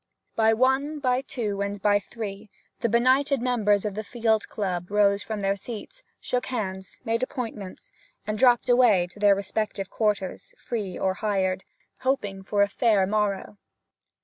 By one, by two, and by three the benighted members of the Field Club rose from their seats, shook hands, made appointments, and dropped away to their respective quarters, free or hired, hoping for a fair morrow.